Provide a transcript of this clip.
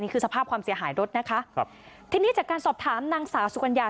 สภาพความเสียหายรถนะคะครับทีนี้จากการสอบถามนางสาวสุกัญญา